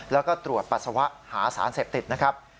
แล้วก็ตรวจปัสสาวะหาสารเสพติดนะครับ